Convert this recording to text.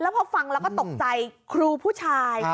พอฟังแล้วก็ตกใจครูผู้ชาย